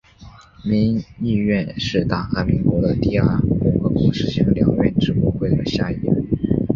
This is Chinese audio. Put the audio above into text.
民议院是大韩民国的第二共和国实行两院制国会的下议院。